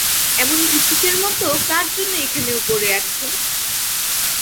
এমন ভিক্ষুকের মতো কার জন্যে এখানে ও পড়ে আছে।